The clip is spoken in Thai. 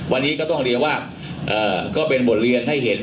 วันนี้ก็ต้องเรียนว่าก็เป็นบทเรียนให้เห็น